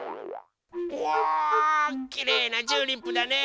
うわきれいなチューリップだね！